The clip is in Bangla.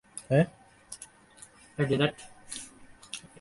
সে ম্যাচে উরুগুয়ের পক্ষে সে বাজি নিলেও ম্যাচটি শেষ অবধি জিতেছে ফরাসিরাই।